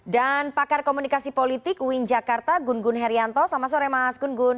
dan pakar komunikasi politik uin jakarta gun gun herianto selamat sore mas gun gun